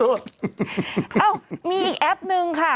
เอ้ามีอีกแอปนึงค่ะ